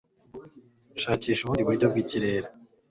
Shakisha ubundi buryo bw'ikirere